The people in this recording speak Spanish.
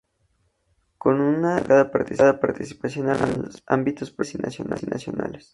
Con una destacada participación en los ámbitos provinciales y nacionales.